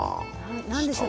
何でしょう？